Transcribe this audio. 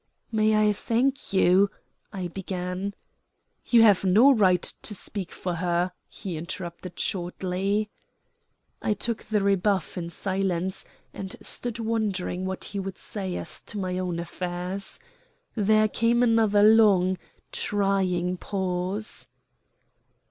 "May I thank you " I began. "You have no right to speak for her," he interrupted shortly. I took the rebuff in silence, and stood wondering what he would say as to my own affairs. There came another long, trying pause.